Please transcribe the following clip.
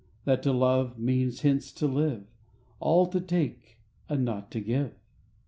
... That to love means hence to live— All to take and naught to give. .